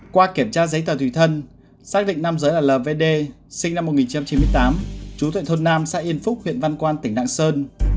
qua kiểm tra giấy tờ thủy thân xác định nam dưới là lvd sinh năm một nghìn chín trăm chín mươi tám chú tuệ thôn nam xã yên phúc huyện văn quan tỉnh đạng sơn